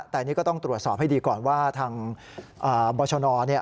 แต่นี่ก็ต้องตรวจสอบให้ดีก่อนว่าทางบรชนเนี่ย